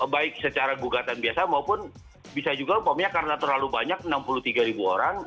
baik secara gugatan biasa maupun bisa juga umpamanya karena terlalu banyak enam puluh tiga ribu orang